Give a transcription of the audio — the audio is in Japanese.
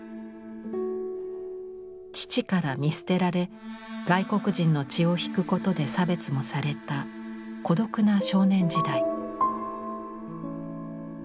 父から見捨てられ外国人の血を引くことで差別もされた孤独な少年時代。